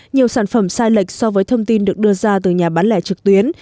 nhiều sản phẩm sai lệch so với thông tin được đưa ra từ nhà bán lẻ trực tuyến